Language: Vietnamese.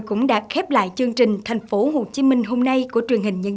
cũng đã khép lại chương trình thành phố hồ chí minh hôm nay của trường đại học tôn thắng